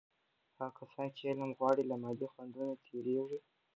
هغه کسان چې علم غواړي، له مادي خنډونو تیریږي.